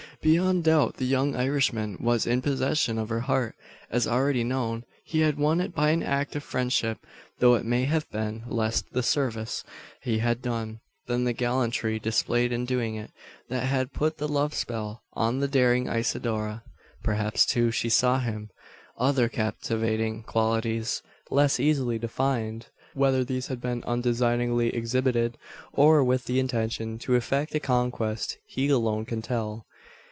Beyond doubt, the young Irishman was in possession of her heart. As already known, he had won it by an act of friendship; though it may have been less the service he had done, than the gallantry displayed in doing it, that had put the love spell on the daring Isidora. Perhaps, too, she saw in him other captivating qualities, less easily defined. Whether these had been undesignedly exhibited, or with the intention to effect a conquest, he alone can tell.